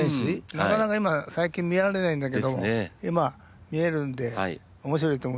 なかなか今最近見られないんだけども今見れるんで面白いと思いますよ。